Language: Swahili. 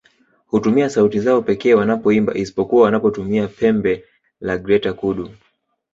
Hutumia sauti zao pekee wanapoimba isipokuwa wanapotumia pembe la Greater Kudu